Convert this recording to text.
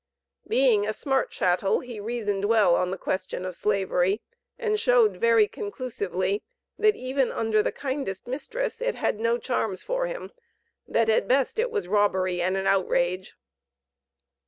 Being a smart "chattel," he reasoned well on the question of Slavery, and showed very conclusively that even under the kindest mistress it had no charms for him that at best, it was robbery and an outrage.